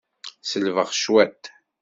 Selbeɣ cwiṭ.